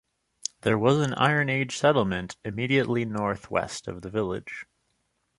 There was an Iron Age settlement immediately North West of the village.